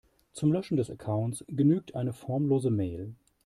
Zum Löschen des Accounts genügt eine formlose Mail.